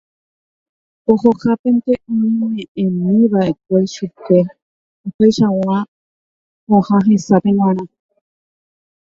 Ohohápente oñeme'ẽmiva'ekue chupe opaichagua pohã hesápe g̃uarã